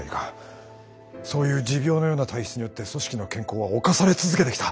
そういう持病のような体質によって組織の健康は侵され続けてきた。